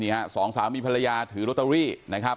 ฮะสองสามีภรรยาถือโรตเตอรี่นะครับ